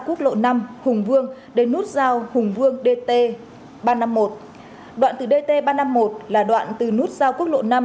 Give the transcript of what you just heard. quốc lộ năm hùng vương đến nút giao hùng vương dt ba trăm năm mươi một đoạn từ dt ba trăm năm mươi một là đoạn từ nút giao quốc lộ năm